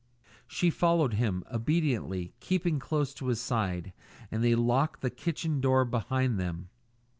She followed him obediently, keeping close to his side, and they locked the kitchen door behind them.